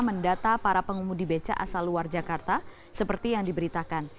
mendata para pengemudi beca asal luar jakarta seperti yang diberitakan